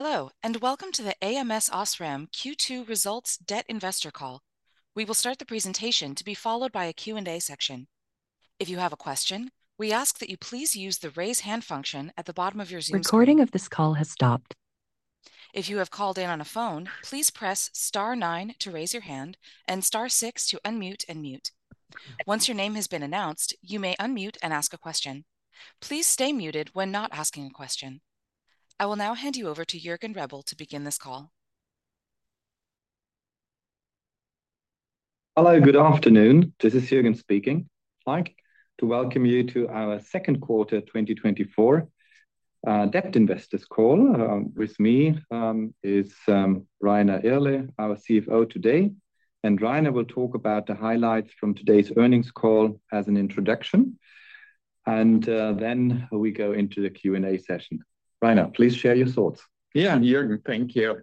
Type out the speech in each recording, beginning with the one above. Hello, and welcome to the ams OSRAM Q2 Results Debt Investor Call. We will start the presentation to be followed by a Q&A section. If you have a question, we ask that you please use the raise hand function at the bottom of your Zoom screen. Recording of this call has stopped. If you have called in on a phone, please press star 9 to raise your hand, and star 6 to unmute and mute. Once your name has been announced, you may unmute and ask a question. Please stay muted when not asking a question. I will now hand you over to Jürgen Rebel to begin this call. Hello, good afternoon. This is Jürgen speaking, like, to welcome you to our second quarter 2024 debt investors call. With me is Rainer Irle, our CFO today. Rainer will talk about the highlights from today's earnings call as an introduction, and then we go into the Q&A session. Rainer, please share your thoughts. Yeah, Juergen, thank you.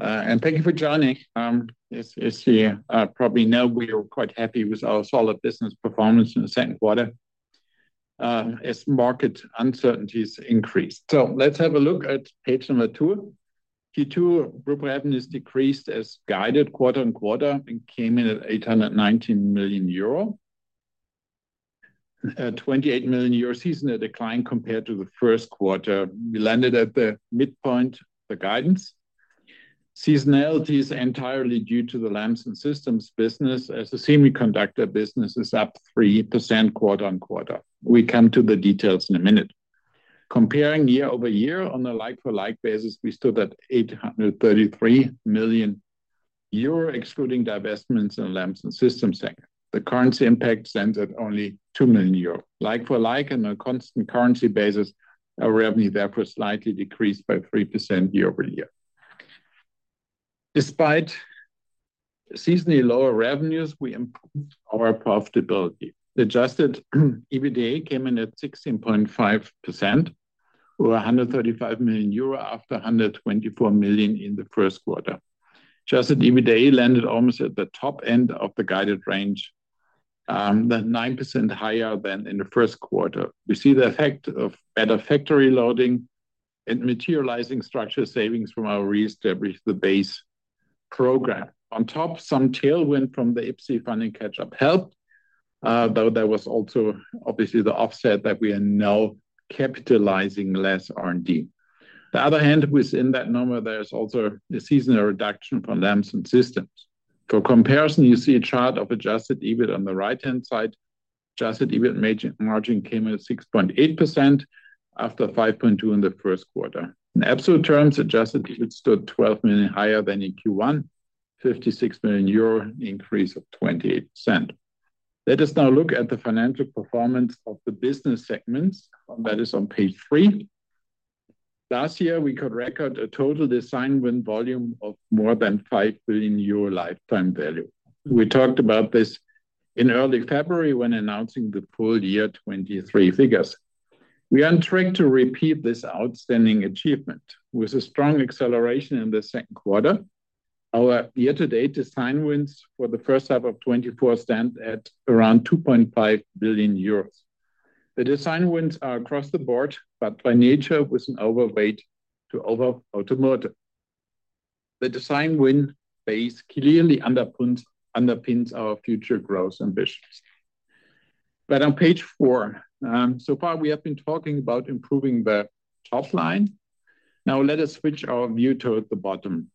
Thank you for joining. As you probably know, we were quite happy with our solid business performance in the second quarter as market uncertainties increased. So let's have a look at page 2. Q2 group revenues decreased as guided quarter-on-quarter and came in at 819 million euro. 28 million euro seasonal decline compared to the first quarter. We landed at the midpoint of the guidance. Seasonality is entirely due to the Lamps & Systems business as the semiconductor business is up 3% quarter-on-quarter. We come to the details in a minute. Comparing year-over-year on a like-for-like basis, we stood at 833 million euro, excluding divestments in Lamps & Systems sector. The currency impact stands at only 2 million euro. Like-for-like and on a constant currency basis, our revenue therefore slightly decreased by 3% year-over-year. Despite seasonally lower revenues, we improved our profitability. The adjusted EBITDA came in at 16.5%, or 135 million euro after 124 million in the first quarter. Adjusted EBITDA landed almost at the top end of the guided range, that's 9% higher than in the first quarter. We see the effect of better factory loading and materializing structural savings from our Re-establish the Base program. On top, some tailwind from the IPCEI funding catch-up helped, though there was also obviously the offset that we are now capitalizing less R&D. On the other hand, within that number, there is also a seasonal reduction from Lamps & Systems. For comparison, you see a chart of adjusted EBIT on the right-hand side. Adjusted EBIT margin came in at 6.8% after 5.2% in the first quarter. In absolute terms, adjusted EBIT stood 12 million higher than in Q1, 56 million euro increase of 28%. Let us now look at the financial performance of the business segments, and that is on page 3. Last year, we could record a total design win volume of more than 5 billion euro lifetime value. We talked about this in early February when announcing the full year 2023 figures. We are on track to repeat this outstanding achievement. With a strong acceleration in the second quarter, our year-to-date design wins for the first half of 2024 stand at around 2.5 billion euros. The design wins are across the board, but by nature with an overweight to over automotive. The design win base clearly underpins our future growth ambitions. But on page 4, so far we have been talking about improving the top line. Now let us switch our view toward the bottom.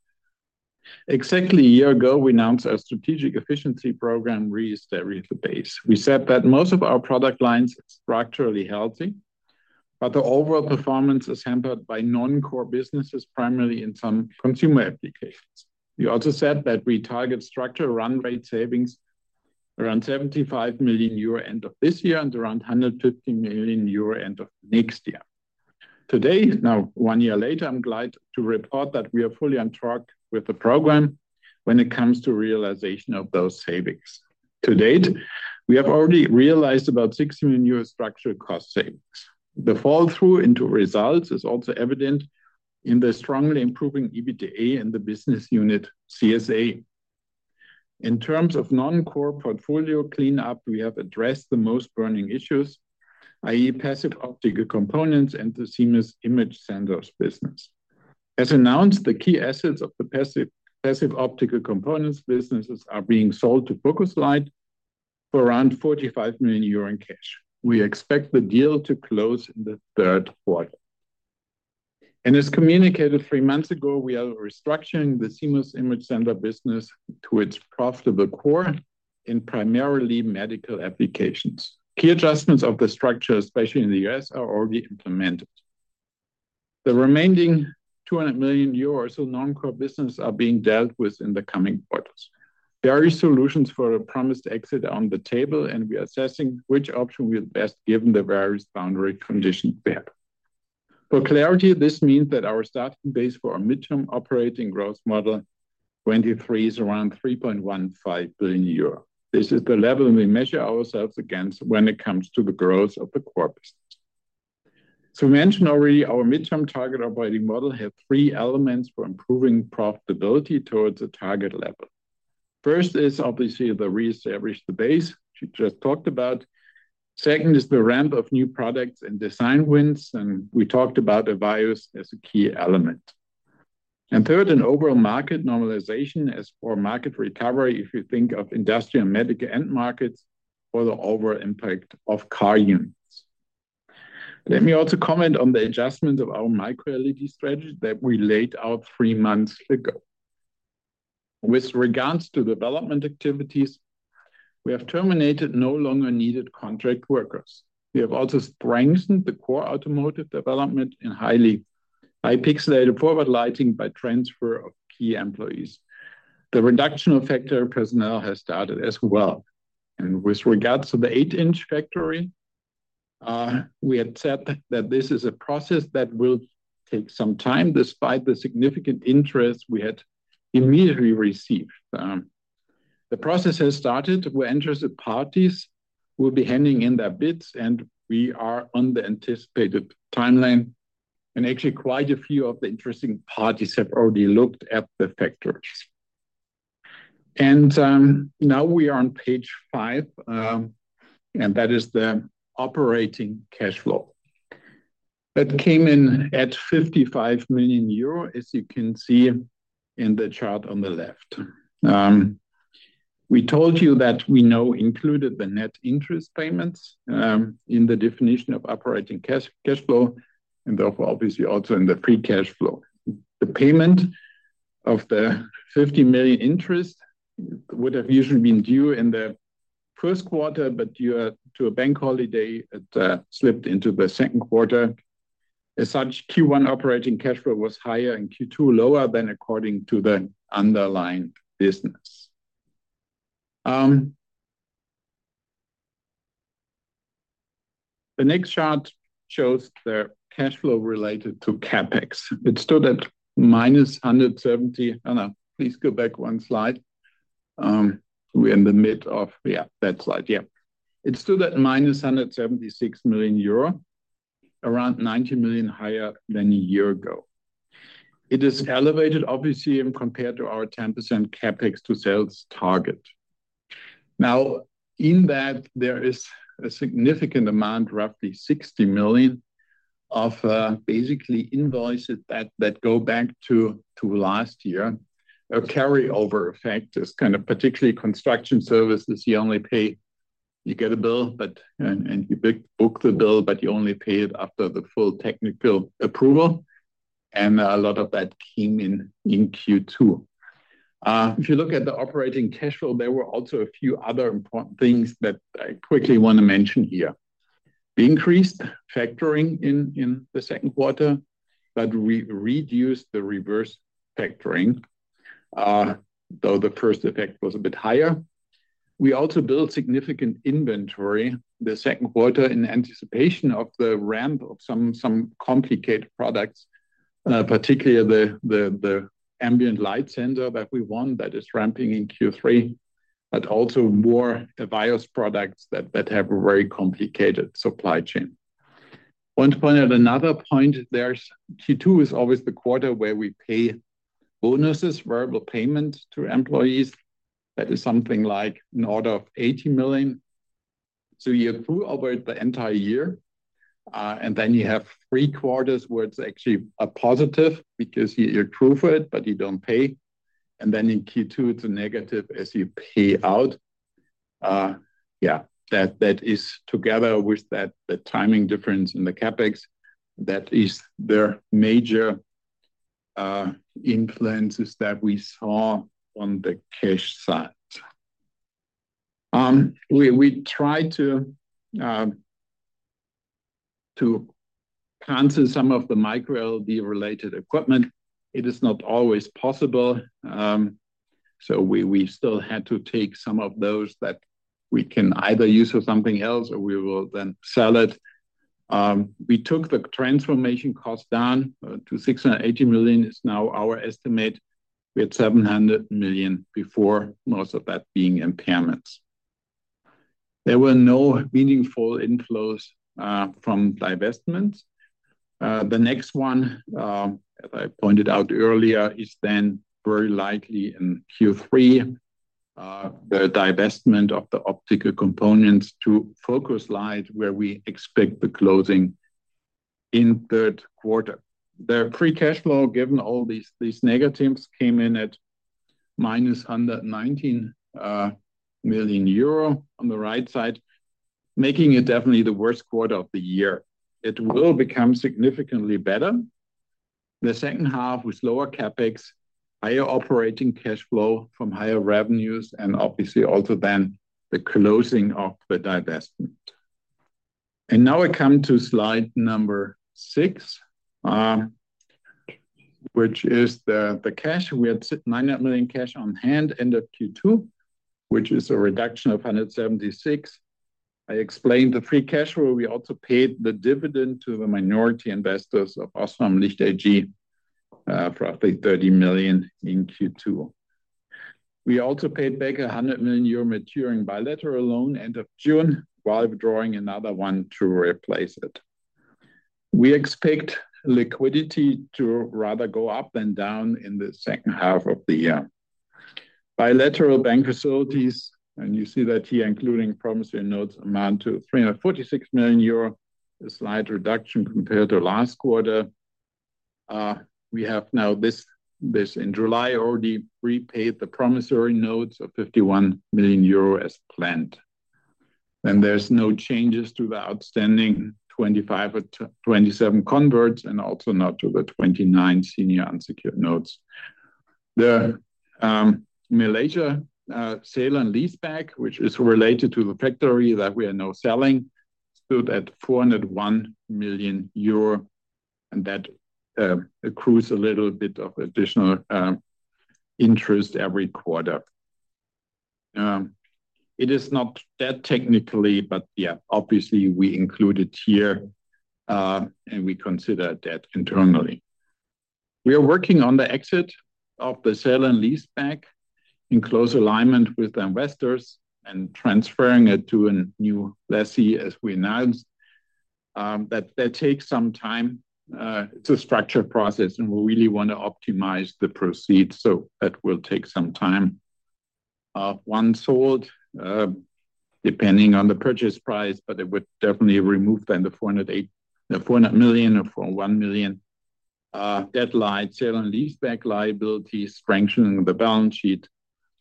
Exactly a year ago, we announced our strategic efficiency program Re-establish the Base. We said that most of our product lines are structurally healthy, but the overall performance is hampered by non-core businesses, primarily in some consumer applications. We also said that we target structural run rate savings around 75 million euro end of this year and around 150 million euro end of next year. Today, now one year later, I'm glad to report that we are fully on track with the program when it comes to realization of those savings. To date, we have already realized about 6 million euro structural cost savings. The fall through into results is also evident in the strongly improving EBITDA in the business unit CSA. In terms of non-core portfolio cleanup, we have addressed the most burning issues, i.e., passive optical components and the CMOS image sensors business. As announced, the key assets of the passive optical components businesses are being sold to Focuslight for around €45 million in cash. We expect the deal to close in the third quarter. As communicated three months ago, we are restructuring the CMOS image sensor business to its profitable core in primarily medical applications. Key adjustments of the structure, especially in the U.S., are already implemented. The remaining €200 million non-core business are being dealt with in the coming quarters. Various solutions for the promised exit are on the table, and we are assessing which option will best given the various boundary conditions we have. For clarity, this means that our starting base for our mid-term operating growth model 2023 is around €3.15 billion. This is the level we measure ourselves against when it comes to the growth of the core business. As we mentioned already, our midterm target operating model has three elements for improving profitability towards the target level. First is obviously the Re-establish the Base we just talked about. Second is the ramp of new products and design wins, and we talked about the volumes as a key element. And third, an overall market normalization as for market recovery if you think of industrial and medical end markets for the overall impact of car units. Let me also comment on the adjustment of our microLED strategy that we laid out three months ago. With regards to development activities, we have terminated no longer needed contract workers. We have also strengthened the core automotive development in high pixelated forward lighting by transfer of key employees. The reduction of factory personnel has started as well. With regards to the 8-inch factory, we had said that this is a process that will take some time despite the significant interest we had immediately received. The process has started. Where interested parties will be handing in their bids, and we are on the anticipated timeline. Actually, quite a few of the interesting parties have already looked at the factories. Now we are on page 5, and that is the operating cash flow that came in at 55 million euro, as you can see in the chart on the left. We told you that we now included the net interest payments in the definition of operating cash flow, and therefore obviously also in the free cash flow. The payment of the 50 million interest would have usually been due in the first quarter, but due to a bank holiday, it slipped into the second quarter. As such, Q1 operating cash flow was higher and Q2 lower than according to the underlying business. The next chart shows the cash flow related to CapEx. It stood at minus 170. Please go back one slide. We're in the midst of, yeah, that slide. Yeah. It stood at minus 176 million euro, around 90 million higher than a year ago. It is elevated, obviously, compared to our 10% CapEx to sales target. Now, in that, there is a significant amount, roughly 60 million, of basically invoices that go back to last year. A carryover effect is kind of particularly construction services. You only pay, you get a bill, but, and you book the bill, but you only pay it after the full technical approval. And a lot of that came in Q2. If you look at the operating cash flow, there were also a few other important things that I quickly want to mention here. We increased factoring in the second quarter, but we reduced the reverse factoring, though the first effect was a bit higher. We also built significant inventory the second quarter in anticipation of the ramp of some complicated products, particularly the ambient light sensor that we want that is ramping in Q3, but also more various products that have a very complicated supply chain. One point at another point, there's Q2 is always the quarter where we pay bonuses, variable payment to employees. That is something like an order of 80 million. So you accrue over the entire year, and then you have three quarters where it's actually a positive because you accrue for it, but you don't pay. And then in Q2, it's a negative as you pay out. Yeah, that is together with that, the timing difference in the CapEx, that is their major influences that we saw on the cash side. We tried to cancel some of the micro LED-related equipment. It is not always possible. So we still had to take some of those that we can either use for something else or we will then sell it. We took the transformation cost down to 680 million. It's now our estimate. We had 700 million before, most of that being impairments. There were no meaningful inflows from divestments. The next one, as I pointed out earlier, is then very likely in Q3, the divestment of the optical components to Focuslight, where we expect the closing in third quarter. The free cash flow, given all these negatives, came in at minus 119 million euro on the right side, making it definitely the worst quarter of the year. It will become significantly better. The second half with lower CapEx, higher operating cash flow from higher revenues, and obviously also then the closing of the divestment. Now we come to slide 6, which is the cash. We had 900 million cash on hand end of Q2, which is a reduction of 176 million. I explained the free cash flow. We also paid the dividend to the minority investors of Osram Licht AG for roughly 30 million in Q2. We also paid back 100 million euro maturing bilateral loan end of June while withdrawing another one to replace it. We expect liquidity to rather go up than down in the second half of the year. Bilateral bank facilities, and you see that here, including promissory notes, amount to 346 million euro, a slight reduction compared to last quarter. We have now, this in July, already repaid the promissory notes of 51 million euro as planned. There's no changes to the outstanding 25 or 27 converts and also not to the 29 senior unsecured notes. The Malaysia Sale and Leaseback, which is related to the factory that we are now selling, stood at 401 million euro, and that accrues a little bit of additional interest every quarter. It is not that technically, but yeah, obviously we include it here and we consider that internally. We are working on the exit of the Sale and Leaseback in close alignment with the investors and transferring it to a new lessee, as we announced. That takes some time. It's a structured process, and we really want to optimize the proceeds, so that will take some time. Once sold depending on the purchase price, but it would definitely remove the 400 million or 1 billion deadline, sale-and-leaseback liability, strengthening the balance sheet,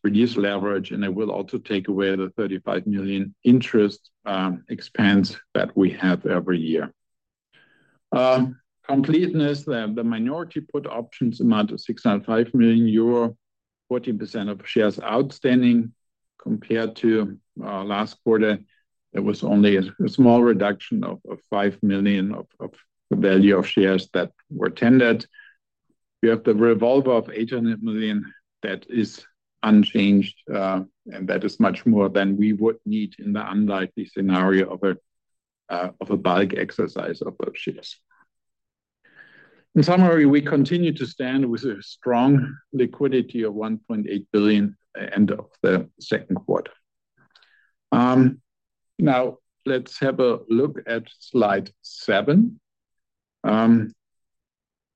reduce leverage, and it will also take away the 35 million interest expense that we have every year. For completeness, the minority put options amount to 605 million euro, 40% of shares outstanding compared to last quarter. There was only a small reduction of 5 million of the value of shares that were tendered. We have the revolver of 800 million. That is unchanged, and that is much more than we would need in the unlikely scenario of a bulk exercise of those shares. In summary, we continue to stand with a strong liquidity of 1.8 billion end of the second quarter. Now let's have a look at slide 7.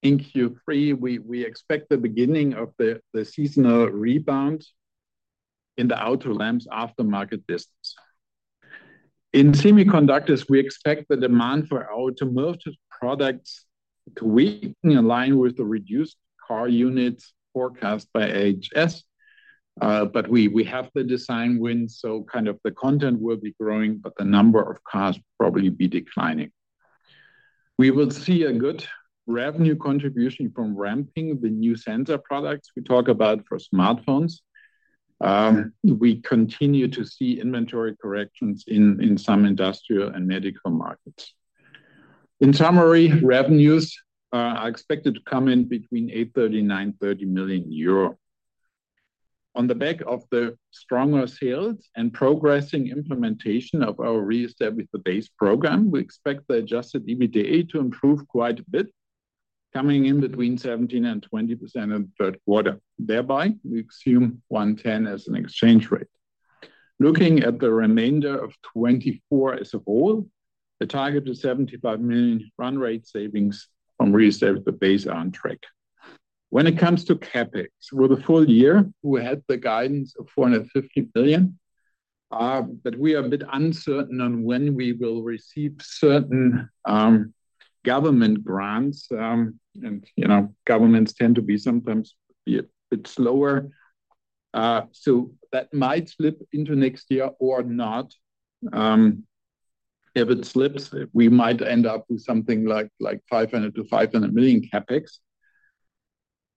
In Q3, we expect the beginning of the seasonal rebound in the auto lamps aftermarket business. In semiconductors, we expect the demand for automotive products to weaken in line with the reduced car units forecast by IHS, but we have the design win, so kind of the content will be growing, but the number of cars will probably be declining. We will see a good revenue contribution from ramping the new sensor products we talk about for smartphones. We continue to see inventory corrections in some industrial and medical markets. In summary, revenues are expected to come in between 830 million and 930 million euro. On the back of the stronger sales and progressing implementation of our Re-establish the Base program, we expect the adjusted EBITDA to improve quite a bit, coming in between 17% and 20% in the third quarter. Thereby, we assume 110 as an exchange rate. Looking at the remainder of 2024 as a whole, the target is 75 million run rate savings from Re-establish the Base on track. When it comes to CapEx for the full year, we had the guidance of 450 million, but we are a bit uncertain on when we will receive certain government grants, and governments tend to be sometimes a bit slower. So that might slip into next year or not. If it slips, we might end up with something like 500-500 million CapEx.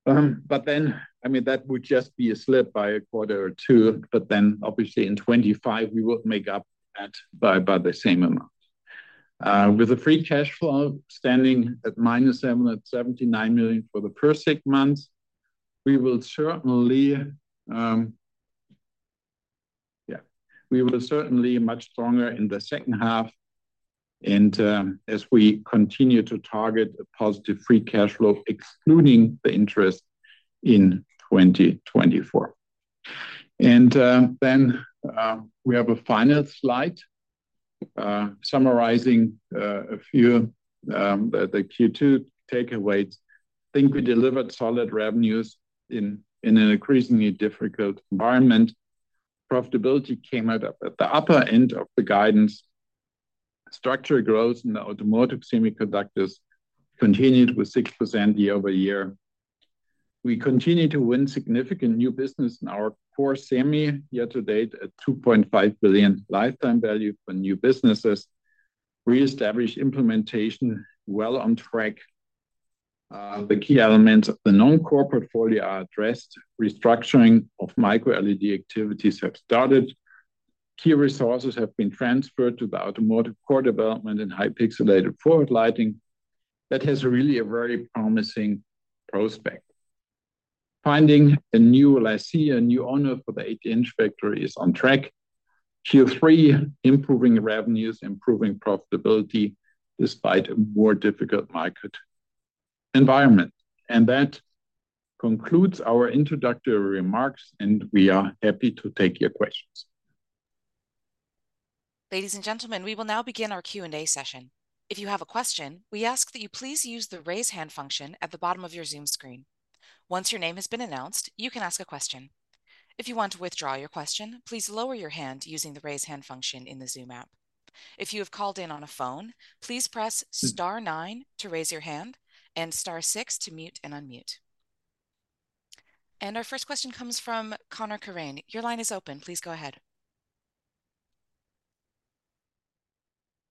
But then, I mean, that would just be a slip by a quarter or two, but then obviously in 2025, we will make up that by the same amount. With the Free Cash Flow standing at minus €79 million for the first six months, we will certainly, yeah, we will certainly be much stronger in the second half and as we continue to target a positive Free Cash Flow, excluding the interest in 2024. Then we have a final slide summarizing a few of the Q2 takeaways. I think we delivered solid revenues in an increasingly difficult environment. Profitability came out at the upper end of the guidance. Structural growth in the automotive semiconductors continued with 6% year-over-year. We continue to win significant new business in our core semi year to date at €2.5 billion lifetime value for new businesses. Re-establish the Base implementation well on track. The key elements of the non-core portfolio are addressed. Restructuring of microLED activities have started. Key resources have been transferred to the automotive core development and high-pixelated forward lighting. That has really a very promising prospect. Finding a new lessee, a new owner for the eight-inch factory is on track. Q3, improving revenues, improving profitability despite a more difficult market environment. That concludes our introductory remarks, and we are happy to take your questions. Ladies and gentlemen, we will now begin our Q&A session. If you have a question, we ask that you please use the raise hand function at the bottom of your Zoom screen. Once your name has been announced, you can ask a question. If you want to withdraw your question, please lower your hand using the raise hand function in the Zoom app. If you have called in on a phone, please press star nine to raise your hand and star six to mute and unmute. Our first question comes from Conor O'Kane. Your line is open. Please go ahead.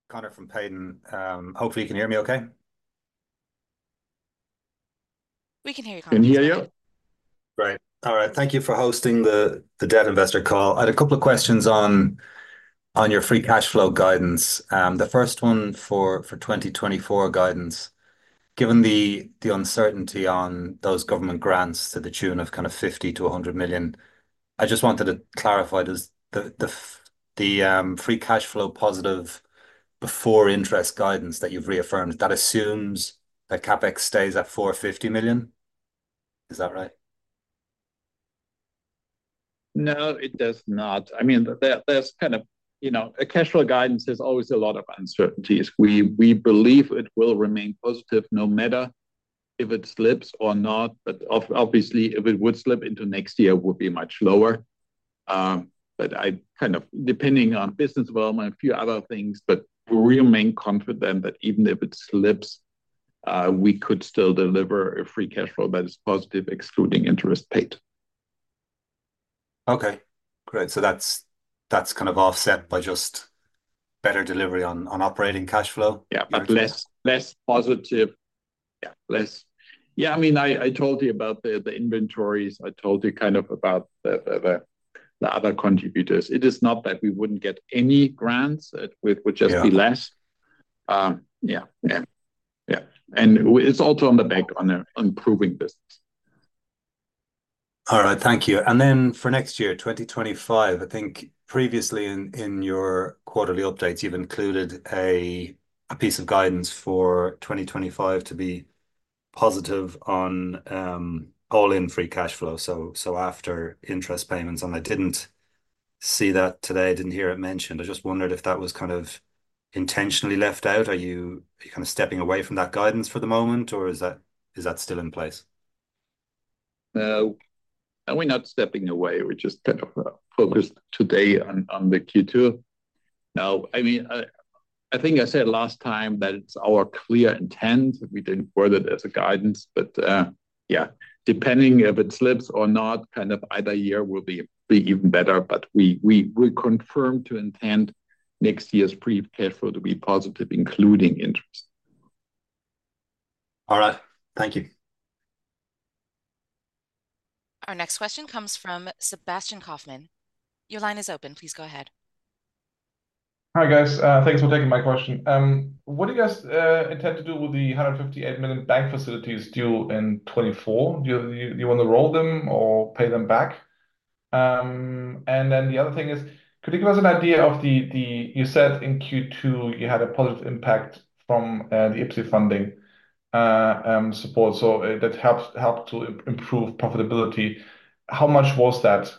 Conor from Payden. Hopefully you can hear me okay. We can hear you, Conor. Can hear you? Great. All right. Thank you for hosting the Debt Investor Call. I had a couple of questions on your free cash flow guidance. The first one for 2024 guidance, given the uncertainty on those government grants to the tune of kind of €50-€100 million, I just wanted to clarify the free cash flow positive before interest guidance that you've reaffirmed that assumes that CapEx stays at €450 million. Is that right? No, it does not. I mean, there's kind of, you know, a cash flow guidance is always a lot of uncertainties. We believe it will remain positive no matter if it slips or not, but obviously if it would slip into next year, it would be much lower. But I kind of, depending on business development, a few other things, but we remain confident that even if it slips, we could still deliver a free cash flow that is positive, excluding interest paid. Okay. Great. So that's kind of offset by just better delivery on operating cash flow. Yeah, less positive. Yeah, less. Yeah, I mean, I told you about the inventories. I told you kind of about the other contributors. It is not that we wouldn't get any grants. It would just be less. Yeah. Yeah. Yeah. And it's also on the back on improving business. All right. Thank you. And then for next year, 2025, I think previously in your quarterly updates, you've included a piece of guidance for 2025 to be positive on all-in free cash flow. So after interest payments, and I didn't see that today, I didn't hear it mentioned. I just wondered if that was kind of intentionally left out. Are you kind of stepping away from that guidance for the moment, or is that still in place? No, we're not stepping away. We're just kind of focused today on the Q2. Now, I mean, I think I said last time that it's our clear intent that we didn't word it as a guidance, but yeah, depending if it slips or not, kind of either year will be even better, but we confirm to intend next year's free cash flow to be positive, including interest. All right. Thank you. Our next question comes from Sebastian Kaufman. Your line is open. Please go ahead. Hi guys. Thanks for taking my question. What do you guys intend to do with the €158 million bank facilities due in 2024? Do you want to roll them or pay them back? And then the other thing is, could you give us an idea of the, you said in Q2 you had a positive impact from the IPCEI funding support, so that helped to improve profitability. How much was that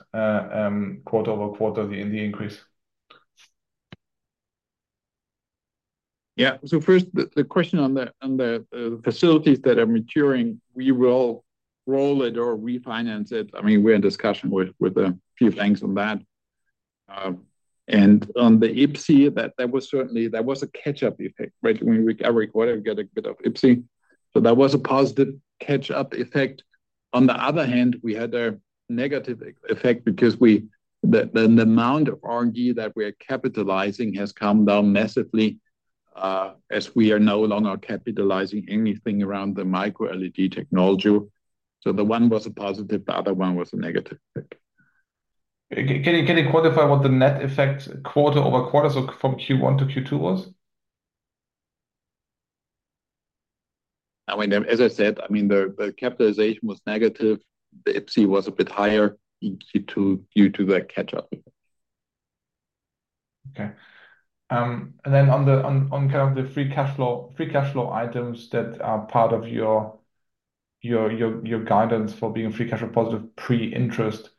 quarter-over-quarter in the increase? Yeah. So first, the question on the facilities that are maturing, we will roll it or refinance it. I mean, we're in discussion with a few banks on that. And on the IPCEI, there was certainly, there was a catch-up effect, right? Every quarter we get a bit of IPCEI. So that was a positive catch-up effect. On the other hand, we had a negative effect because the amount of R&D that we are capitalizing has come down massively as we are no longer capitalizing anything around the microLED technology. So the one was a positive, the other one was a negative. Can you quantify what the net effect quarter over quarter from Q1 to Q2 was? I mean, as I said, I mean, the CapEx was negative. The IPCEI was a bit higher in Q2 due to the catch-up. Okay. And then on kind of the free cash flow items that are part of your guidance for being free cash flow positive pre-interest,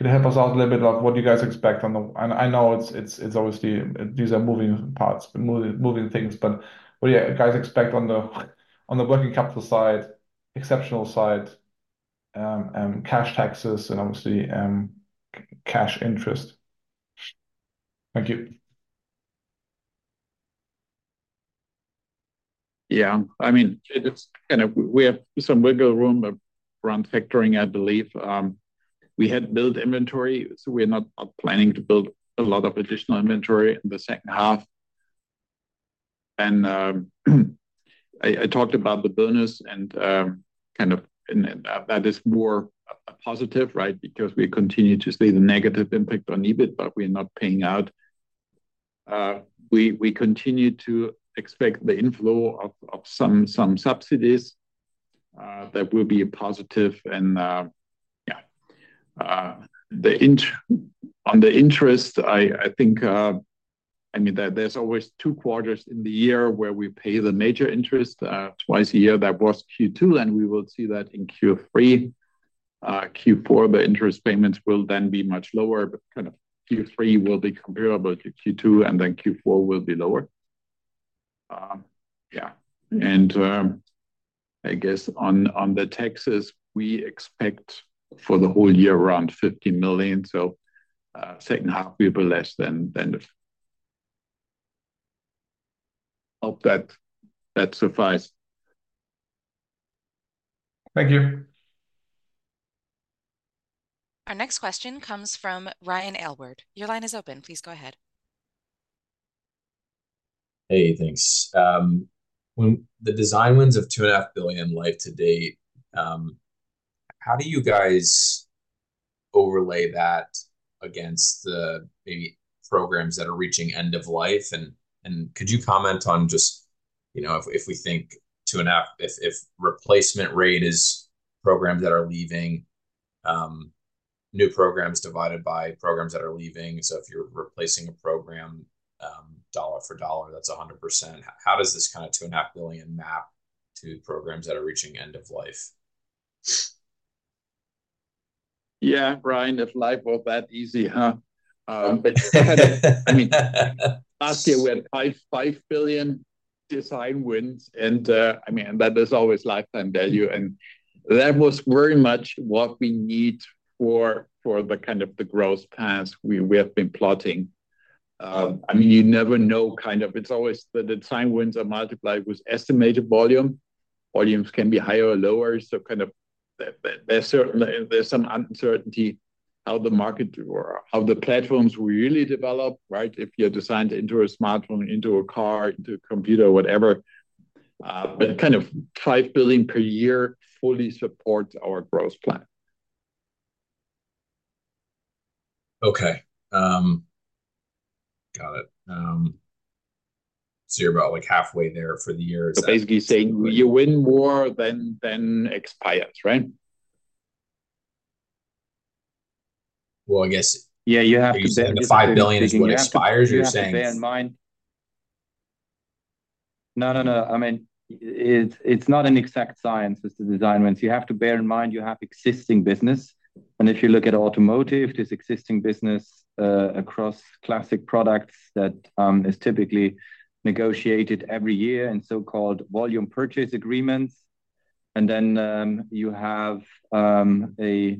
could you help us out a little bit of what you guys expect on the, and I know it's obviously these are moving parts, moving things, but what do you guys expect on the working capital side, exceptional side, cash taxes, and obviously cash interest? Thank you. Yeah. I mean, it's kind of we have some wiggle room around factoring, I believe. We had built inventory, so we're not planning to build a lot of additional inventory in the second half. I talked about the bonus and kind of that is more positive, right? Because we continue to see the negative impact on EBIT, but we're not paying out. We continue to expect the inflow of some subsidies that will be positive. Yeah, on the interest, I think, I mean, there's always two quarters in the year where we pay the major interest twice a year. That was Q2, and we will see that in Q3. Q4, the interest payments will then be much lower, but kind of Q3 will be comparable to Q2, and then Q4 will be lower. Yeah. I guess on the taxes, we expect for the whole year around 50 million. So second half will be less than the. Hope that suffices. Thank you. Our next question comes from Ryan Ehrlberg. Your line is open. Please go ahead. Hey, thanks. When the design wins of 2.5 billion life to date, how do you guys overlay that against the maybe programs that are reaching end of life? And could you comment on just, you know, if we think 2.5, if replacement rate is programs that are leaving, new programs divided by programs that are leaving. So if you're replacing a program dollar for dollar, that's 100%. How does this kind of 2.5 million map to programs that are reaching end of life? Yeah, Ryan, if life was that easy, huh? I mean, last year we had 5 billion design wins, and I mean, that is always lifetime value. And that was very much what we need for the kind of the growth path we have been plotting. I mean, you never know kind of, it's always the design wins are multiplied with estimated volume. Volumes can be higher or lower. So kind of there's some uncertainty how the market or how the platforms will really develop, right? If you're designed into a smartphone, into a car, into a computer, whatever. But kind of 5 billion per year fully supports our growth plan. Okay. Got it. So you're about like halfway there for the year. Basically saying you win more than expires, right? Well, I guess. Yeah, you have to say. The 5 billion expires, you're saying. No, no, no. I mean, it's not an exact science as the design wins. You have to bear in mind you have existing business. And if you look at automotive, there's existing business across classic products that is typically negotiated every year in so-called volume purchase agreements. Then you have a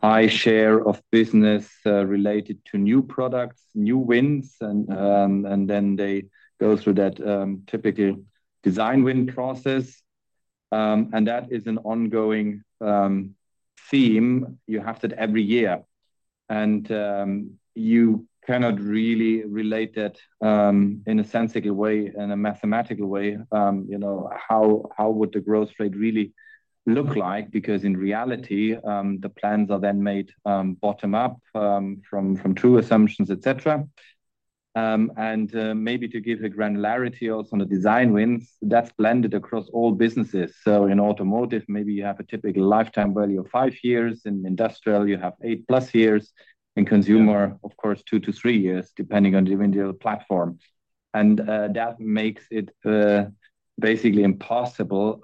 high share of business related to new products, new wins, and then they go through that typical design win process. And that is an ongoing theme. You have that every year. And you cannot really relate that in a sensible way, in a mathematical way, you know, how would the growth rate really look like? Because in reality, the plans are then made bottom-up from true assumptions, etc. And maybe to give a granularity also on the design wins, that's blended across all businesses. So in automotive, maybe you have a typical lifetime value of five years. In industrial, you have 8+ years. In consumer, of course, 2-3 years, depending on the individual platform. And that makes it basically impossible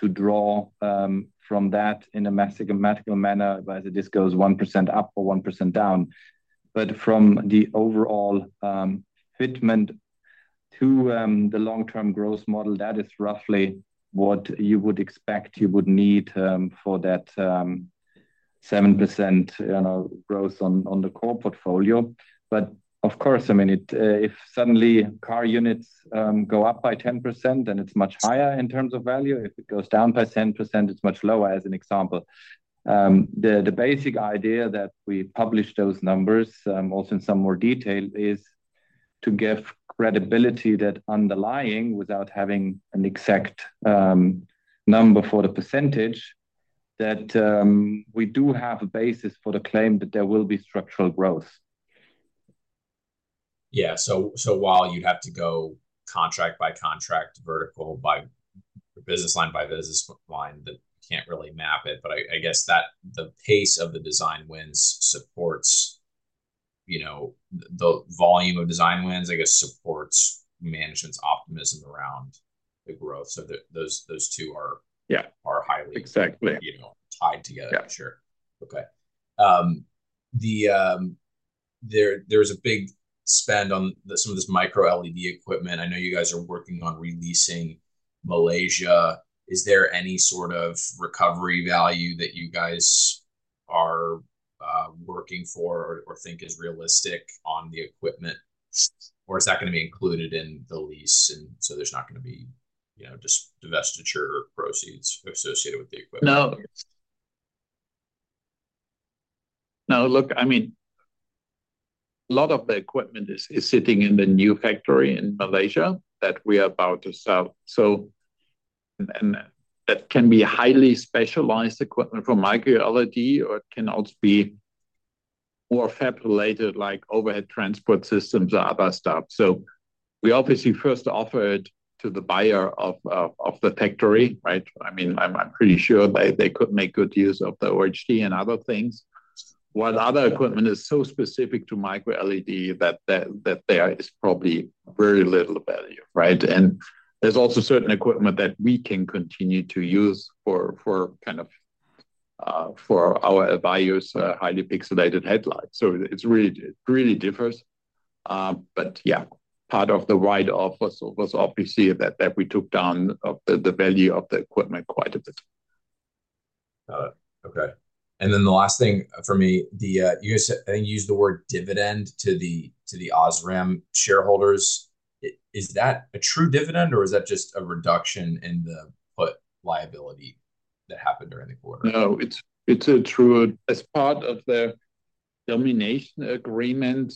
to draw from that in a mathematical manner as it just goes 1% up or 1% down. But from the overall fitment to the long-term growth model, that is roughly what you would expect you would need for that 7% growth on the core portfolio. But of course, I mean, if suddenly car units go up by 10%, then it's much higher in terms of value. If it goes down by 10%, it's much lower, as an example. The basic idea that we publish those numbers also in some more detail is to give credibility that underlying without having an exact number for the percentage that we do have a basis for the claim that there will be structural growth. Yeah. So while you have to go contract by contract, vertical by business line by business line, that you can't really map it, but I guess that the pace of the design wins supports, you know, the volume of design wins, I guess, supports management's optimism around the growth. So those two are highly tied together. Exactly. For sure. Okay. There's a big spend on some of this microLED equipment. I know you guys are working on leasing Malaysia. Is there any sort of recovery value that you guys are working for or think is realistic on the equipment? Or is that going to be included in the lease? And so there's not going to be just divestiture proceeds associated with the equipment? No. No, look, I mean, a lot of the equipment is sitting in the new factory in Malaysia that we are about to sell. So that can be highly specialized equipment for microLED, or it can also be more fab-related, like overhead transport systems or other stuff. So we obviously first offer it to the buyer of the factory, right? I mean, I'm pretty sure they could make good use of the OHD and other things. While other equipment is so specific to microLED that there is probably very little value, right? And there's also certain equipment that we can continue to use for kind of our values, highly pixelated headlights. So it really differs. But yeah, part of the right offer was obviously that we took down the value of the equipment quite a bit. Got it. Okay. And then the last thing for me, you used the word dividend to the Osram shareholders. Is that a true dividend, or is that just a reduction in the put liability that happened during the quarter? No, it's true. As part of the termination agreement,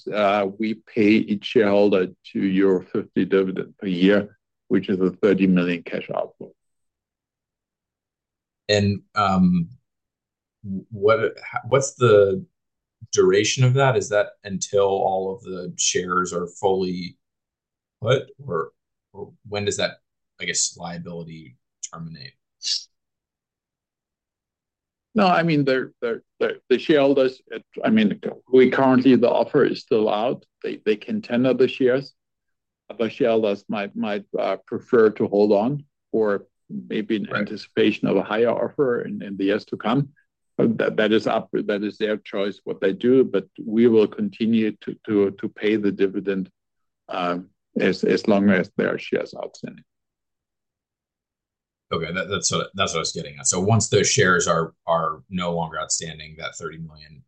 we pay each shareholder €2.50 dividend per year, which is a €30 million cash output. And what's the duration of that? Is that until all of the shares are fully put, or when does that, I guess, liability terminate? No, I mean, the shareholders, I mean, we currently, the offer is still out. They can tender the shares. Other shareholders might prefer to hold on or maybe in anticipation of a higher offer in the years to come. That is their choice what they do, but we will continue to pay the dividend as long as there are shares outstanding. Okay. That's what I was getting at. So once those shares are no longer outstanding, that 30 million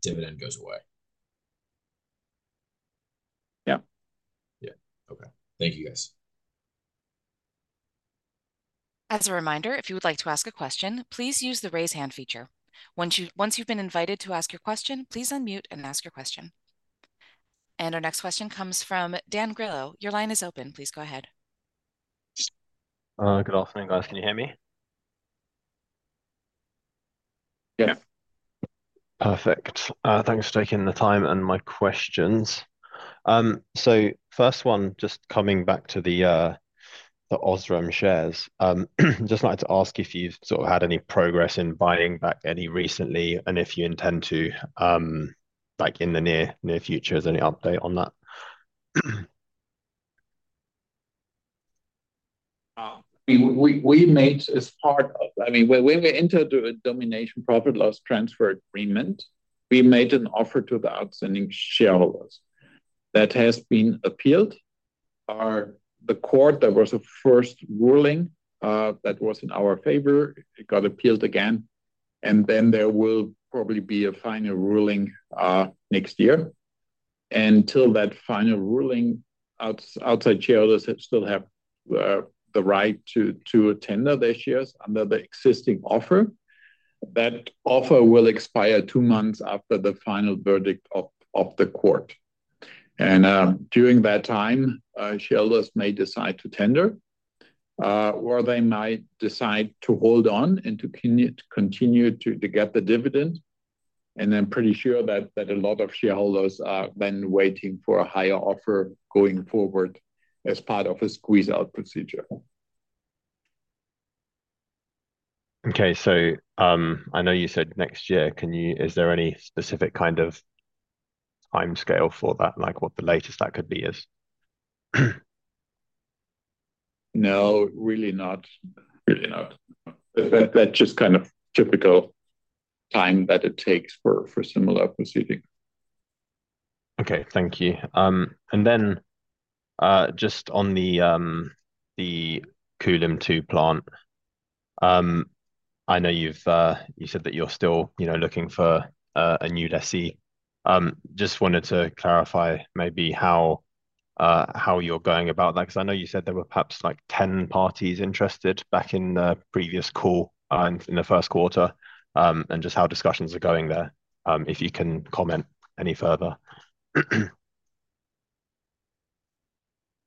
dividend goes away? Yeah. Yeah. Okay. Thank you, guys. As a reminder, if you would like to ask a question, please use the raise hand feature. Once you've been invited to ask your question, please unmute and ask your question. And our next question comes from Dan Grillo. Your line is open. Please go ahead. Good afternoon, guys. Can you hear me? Yes. Perfect. Thanks for taking the time and my questions. So first one, just coming back to the Osram shares, I'd just like to ask if you've sort of had any progress in buying back any recently and if you intend to back in the near future, is there any update on that? We made as part of, I mean, when we entered the termination profit loss transfer agreement, we made an offer to the outstanding shareholders. That has been appealed. The court that was the first ruling that was in our favor, it got appealed again. And then there will probably be a final ruling next year. And until that final ruling, outside shareholders still have the right to tender their shares under the existing offer. That offer will expire 2 months after the final verdict of the court. And during that time, shareholders may decide to tender, or they might decide to hold on and to continue to get the dividend. And I'm pretty sure that a lot of shareholders are then waiting for a higher offer going forward as part of a squeeze-out procedure. Okay. So I know you said next year. Is there any specific kind of timescale for that, like what the latest that could be is? No, really not. Really not. That's just kind of typical time that it takes for similar proceedings. Okay. Thank you. And then just on the Kulim II plant, I know you said that you're still looking for a new lessee. Just wanted to clarify maybe how you're going about that, because I know you said there were perhaps like 10 parties interested back in the previous call in the first quarter and just how discussions are going there, if you can comment any further.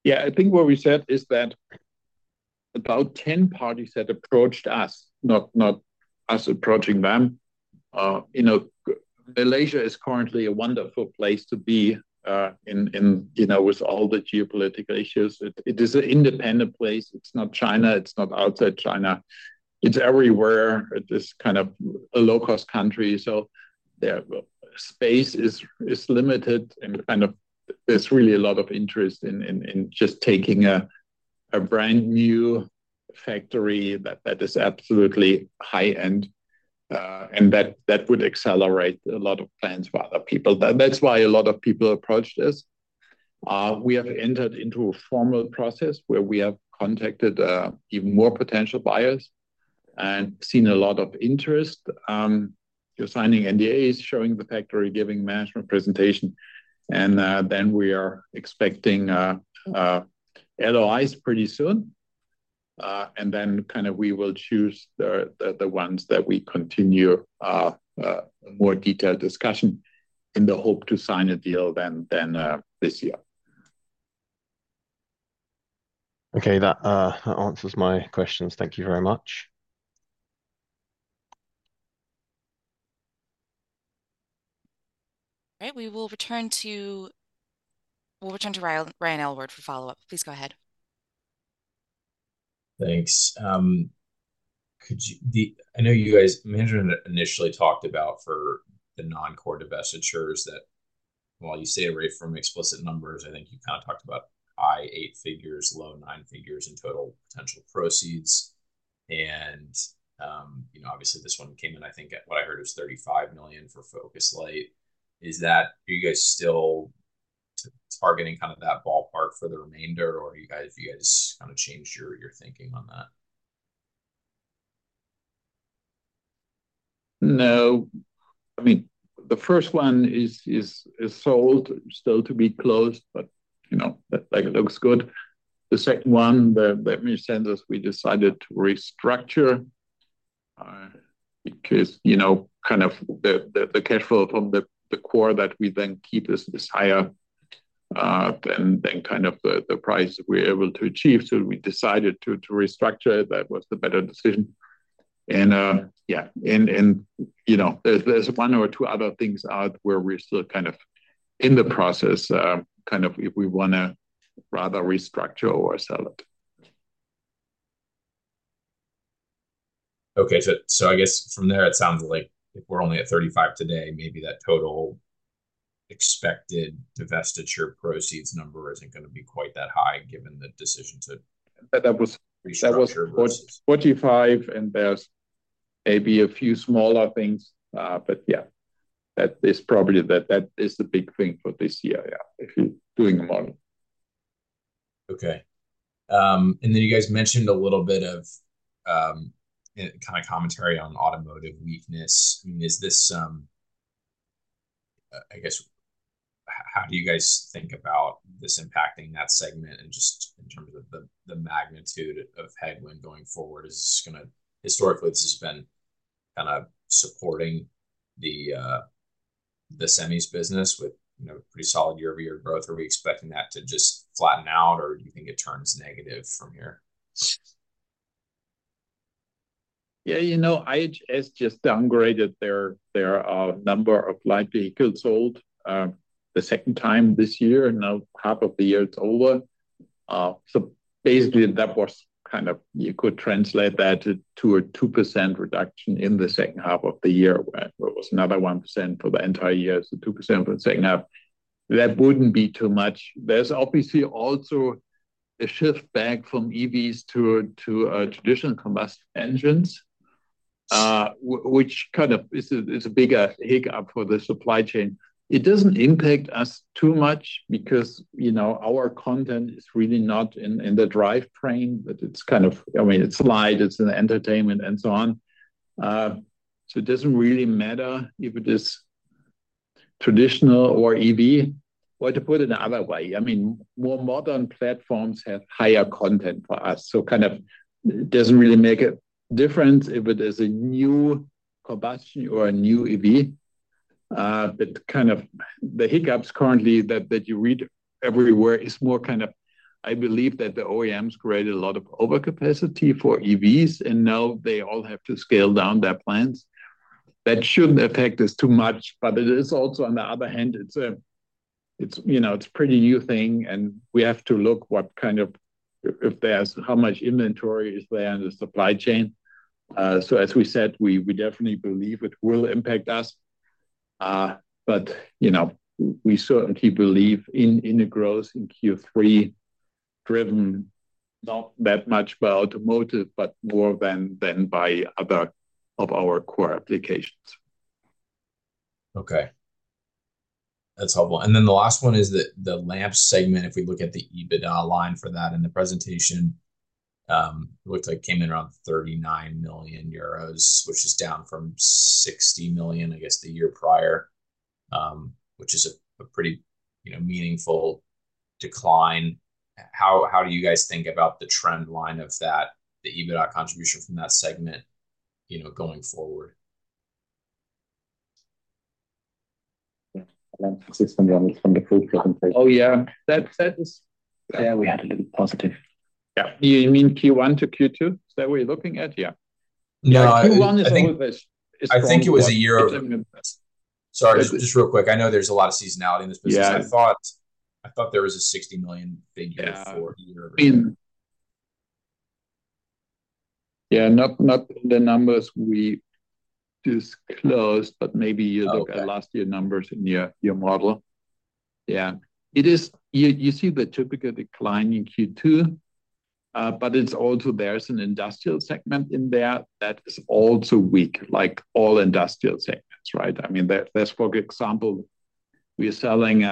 Yeah. I think what we said is that about 10 parties had approached us, not us approaching them. Malaysia is currently a wonderful place to be with all the geopolitical issues. It is an independent place. It's not China. It's not outside China. It's everywhere. It is kind of a low-cost country. So space is limited, and kind of there's really a lot of interest in just taking a brand new factory that is absolutely high-end. And that would accelerate a lot of plans for other people. That's why a lot of people approached us. We have entered into a formal process where we have contacted even more potential buyers and seen a lot of interest. You're signing NDAs, showing the factory, giving management presentation. And then we are expecting LOIs pretty soon. And then kind of we will choose the ones that we continue a more detailed discussion in the hope to sign a deal then this year. Okay. That answers my questions. Thank you very much. All right. We will return to Ryan Ehrenberg for follow-up. Please go ahead. Thanks. I know you guys mentioned initially talked about for the non-core divestitures that while you stayed away from explicit numbers, I think you kind of talked about high eight figures, low nine figures in total potential proceeds. And obviously, this one came in, I think what I heard was 35 million for Focuslight. Are you guys still targeting kind of that ballpark for the remainder, or have you guys kind of changed your thinking on that? No. I mean, the first one is sold, still to be closed, but it looks good. The second one, the microLED, we decided to restructure because kind of the cash flow from the core that we then keep is higher than kind of the price we're able to achieve. So we decided to restructure it. That was the better decision. And yeah. And there's one or two other things out where we're still kind of in the process, kind of if we want to rather restructure or sell it. Okay. So I guess from there, it sounds like if we're only at €35 today, maybe that total expected divestiture proceeds number isn't going to be quite that high given the decision to restructure. That was €45, and there's maybe a few smaller things. But yeah, that is probably that is the big thing for this year, yeah, if you're doing a model. Okay. And then you guys mentioned a little bit of kind of commentary on automotive weakness. I mean, is this, I guess, how do you guys think about this impacting that segment? Just in terms of the magnitude of headwind going forward, is this going to historically, it's just been kind of supporting the semis business with pretty solid year-over-year growth. Are we expecting that to just flatten out, or do you think it turns negative from here? Yeah. It's just downgraded. There are a number of light vehicles sold the second half this year, and now half of the year it's over. So basically, that was kind of you could translate that to a 2% reduction in the second half of the year, where it was another 1% for the entire year. So 2% for the second half. That wouldn't be too much. There's obviously also a shift back from EVs to traditional combustion engines, which kind of is a bigger hiccup for the supply chain. It doesn't impact us too much because our content is really not in the drive train, but it's kind of, I mean, it's lighting, it's entertainment, and so on. So it doesn't really matter if it is traditional or EV. Or to put it another way, I mean, more modern platforms have higher content for us. So kind of it doesn't really make a difference if it is a new combustion or a new EV. But kind of the hiccups currently that you read everywhere is more kind of, I believe that the OEMs created a lot of overcapacity for EVs, and now they all have to scale down their plans. That shouldn't affect us too much, but it is also, on the other hand, it's a pretty new thing, and we have to look what kind of, if there's how much inventory is there in the supply chain. So as we said, we definitely believe it will impact us. But we certainly believe in the growth in Q3 driven, not that much by automotive, but more than by other of our core applications. Okay. That's helpful. And then the last one is the Lamps segment. If we look at the EBITDA line for that in the presentation, it looked like it came in around 39 million euros, which is down from 60 million, I guess, the year prior, which is a pretty meaningful decline. How do you guys think about the trend line of that, the EBITDA contribution from that segment going forward? I don't think it's from the full presentation. Oh, yeah. That is. Yeah. We had a little positive. Yeah. You mean Q1 to Q2? Is that what you're looking at? Yeah. No. Q1 is over this. I think it was a year over. Sorry, just real quick. I know there's a lot of seasonality in this business. I thought there was a €60 million figure for a year-over-year. Yeah. Not the numbers we disclosed, but maybe you look at last year's numbers in your model. Yeah. You see the typical decline in Q2, but it's also there's an industrial segment in there that is also weak, like all industrial segments, right? I mean, that's for example, we're selling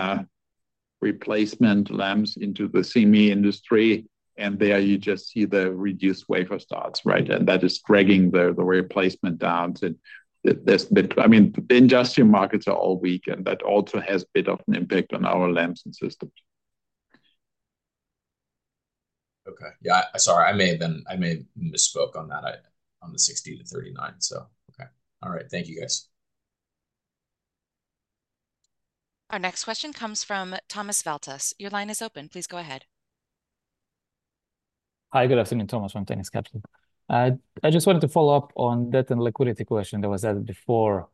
replacement lamps into the semi industry, and there you just see the reduced wafer starts, right? And that is dragging the replacement down. I mean, the industrial markets are all weak, and that also has a bit of an impact on our lamps and systems. Okay. Yeah. Sorry, I may have misspoke on that, on the €60 to €39, so. Okay. All right. Thank you, guys. Our next question comes from Tomas Valtas. Your line is open. Please go ahead. Hi. Good afternoon, Thomas from Tenax Capital. I just wanted to follow up on debt and liquidity question that was asked before.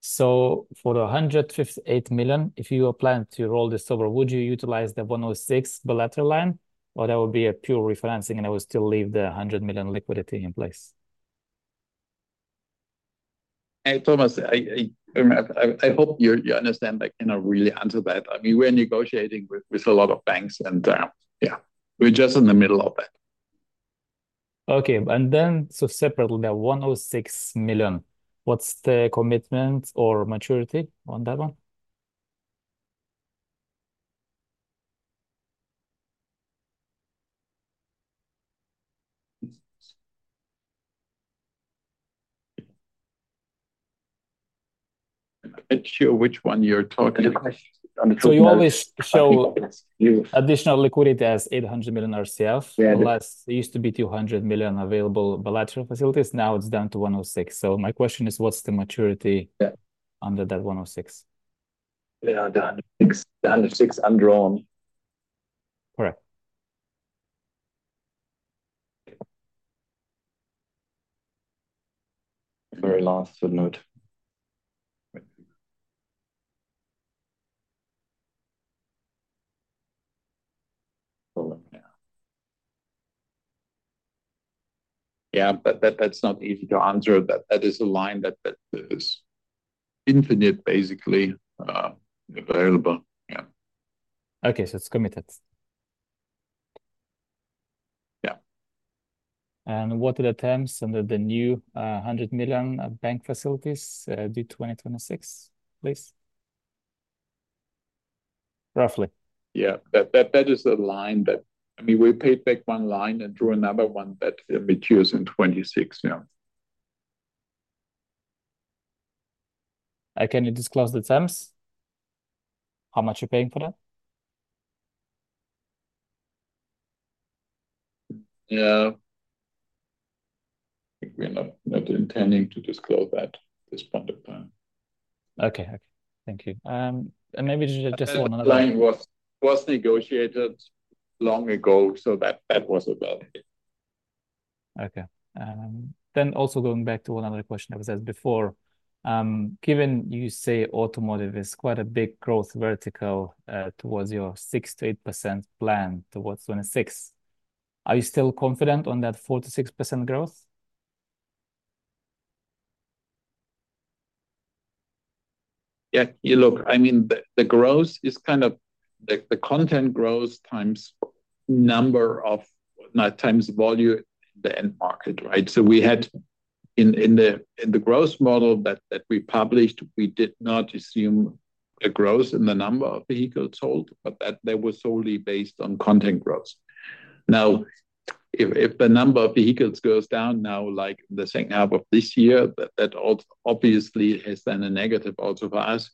So for the 158 million, if you were planning to roll this over, would you utilize the 106 million bilateral line, or that would be a pure refinancing, and it would still leave the 100 million liquidity in place? Hey, Thomas, I hope you understand that I cannot really answer that. I mean, we're negotiating with a lot of banks, and yeah, we're just in the middle of that. Okay. And then so separately, the 106 million, what's the commitment or maturity on that one? I'm not sure which one you're talking about. So you always show additional liquidity as 800 million RCF, plus it used to be 200 million available bilateral facilities. Now it's down to €106 million. So my question is, what's the maturity under that €106 million? Yeah, the €106 million undrawn. Correct. Very last footnote. Yeah. Yeah, but that's not easy to answer. That is a line that is infinite, basically, available. Yeah. Okay. So it's committed. Yeah. And what are the terms under the new €100 million bank facilities due 2026, please? Roughly. Yeah. That is a line that I mean, we paid back one line and drew another one that matures in 2026. Yeah. Can you disclose the terms? How much you're paying for that? Yeah. We're not intending to disclose that at this point in time. Okay. Okay. Thank you. And maybe just one other line. That line was negotiated long ago, so that was about it. Okay. Then also going back to one other question I was asked before, given you say automotive is quite a big growth vertical towards your 6%-8% plan towards 2026, are you still confident on that 4%-6% growth? Yeah. Look, I mean, the growth is kind of the content growth times number of times volume in the end market, right? So we had in the growth model that we published, we did not assume the growth in the number of vehicles sold, but that was solely based on content growth. Now, if the number of vehicles goes down now, like the second half of this year, that obviously has been a negative also for us.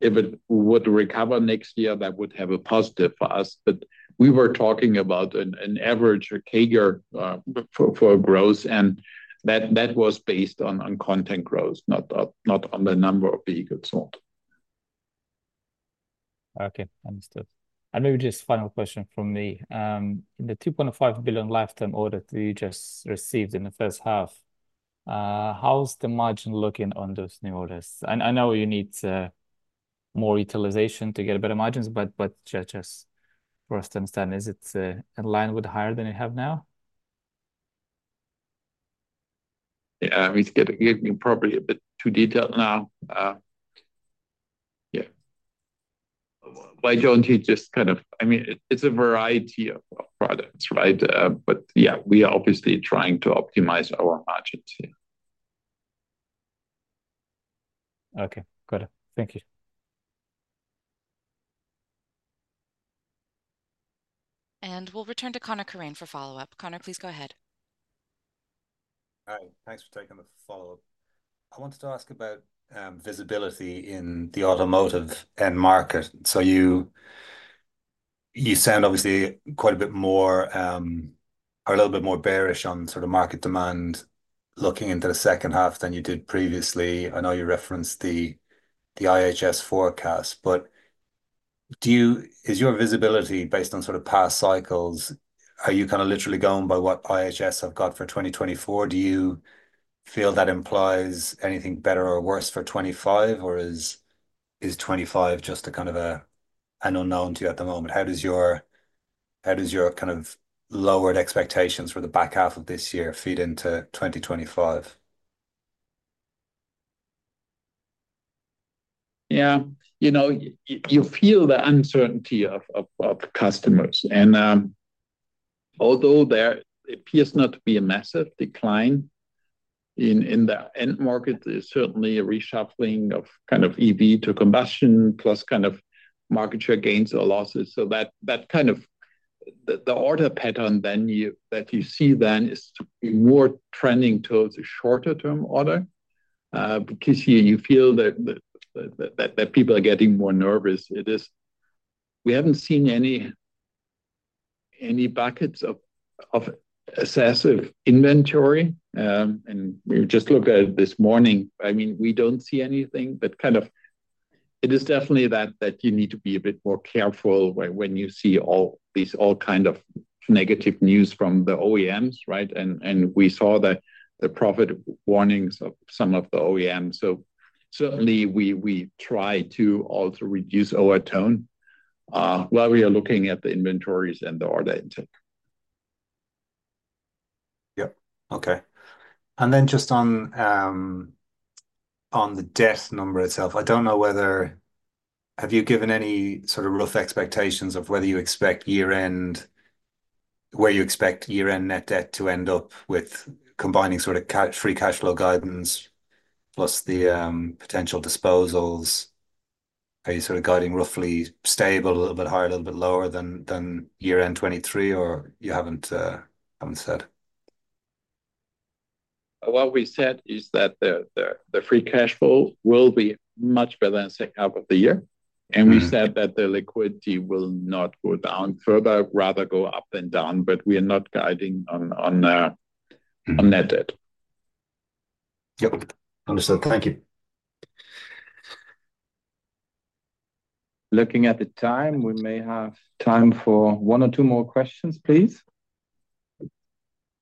If it would recover next year, that would have a positive for us. But we were talking about an average CAGR for growth, and that was based on content growth, not on the number of vehicles sold. Okay. Understood. And maybe just final question from me. In the 2.5 billion lifetime order that you just received in the first half, how's the margin looking on those new orders? I know you need more utilization to get better margins, but just for us to understand, is it in line with higher than you have now? Yeah. I mean, you're probably a bit too detailed now. Yeah. Why don't you just kind of I mean, it's a variety of products, right? But yeah, we are obviously trying to optimize our margins. Okay. Got it. Thank you. And we'll return to Conor O'Kane for follow-up. Conor, please go ahead. Hi. Thanks for taking the follow-up. I wanted to ask about visibility in the automotive end market. So you sound obviously quite a bit more or a little bit more bearish on sort of market demand looking into the second half than you did previously. I know you referenced the IHS forecast, but is your visibility based on sort of past cycles? Are you kind of literally going by what IHS have got for 2024? Do you feel that implies anything better or worse for 2025, or is 2025 just kind of an unknown to you at the moment? How does your kind of lowered expectations for the back half of this year feed into 2025? Yeah. You feel the uncertainty of customers. And although there appears not to be a massive decline in the end market, there's certainly a reshuffling of kind of EV to combustion plus kind of market share gains or losses. So that kind of the order pattern then that you see then is more trending towards a shorter-term order. Because you feel that people are getting more nervous. We haven't seen any buckets of excessive inventory. We just looked at it this morning. I mean, we don't see anything, but kind of it is definitely that you need to be a bit more careful when you see all kind of negative news from the OEMs, right? We saw the profit warnings of some of the OEMs. So certainly, we try to also reduce our tone while we are looking at the inventories and the order intake. Yep. Okay. And then just on the debt number itself, I don't know whether have you given any sort of rough expectations of where you expect year-end net debt to end up with combining sort of free cash flow guidance plus the potential disposals? Are you sort of guiding roughly stable, a little bit higher, a little bit lower than year-end 2023, or you haven't said? What we said is that the free cash flow will be much better than the second half of the year. And we said that the liquidity will not go down further, rather go up and down, but we are not guiding on net debt. Yep. Understood. Thank you. Looking at the time, we may have time for one or two more questions, please. I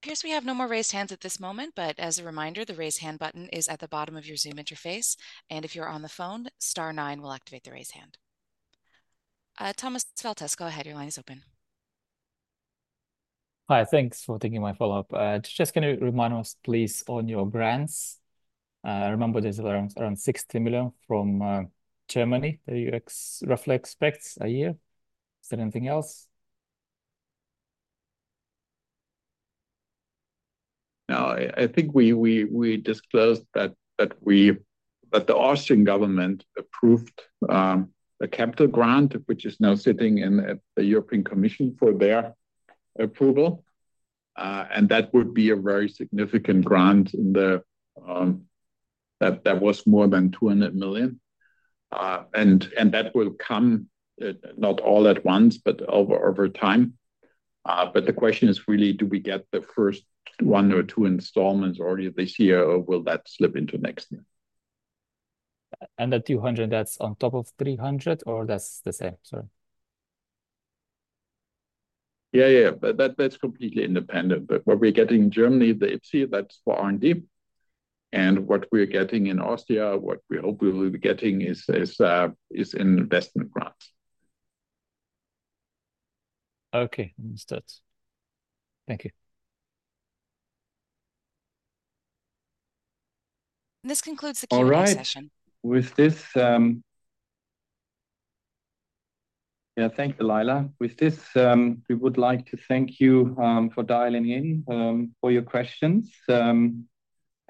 guess we have no more raised hands at this moment, but as a reminder, the raise hand button is at the bottom of your Zoom interface. If you're on the phone, star nine will activate the raise hand. Thomas Veltas, go ahead. Your line is open. Hi. Thanks for taking my follow-up. Just can you remind us, please, on your grants? I remember there's around 60 million from Germany that you roughly expect a year. Is there anything else? Now, I think we disclosed that the Austrian government approved a capital grant, which is now sitting in the European Commission for their approval. And that would be a very significant grant that was more than 200 million. And that will come not all at once, but over time. But the question is really, do we get the first one or two installments already this year, or will that slip into next year? And the €200, that's on top of €300, or that's the same? Sorry. Yeah, yeah, yeah. But that's completely independent. What we're getting in Germany, the IPCEI, that's for R&D. And what we're getting in Austria, what we're hopefully getting is an investment grant. Okay. Understood. Thank you. This concludes the Q&A session. All right. Yeah. Thank you, Lila. With this, we would like to thank you for dialing in for your questions.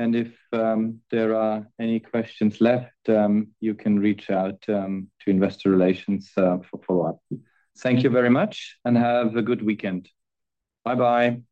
And if there are any questions left, you can reach out to investor relations for follow-up. Thank you very much, and have a good weekend. Bye-bye.